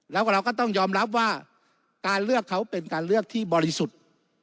แล้วก็เราก็ต้องยอมรับว่าการเลือกเขาเป็นการเลือกที่บริสุทธิ์